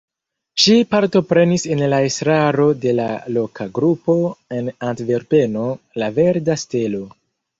Ŝi partoprenis en la estraro de la loka grupo en Antverpeno La Verda Stelo.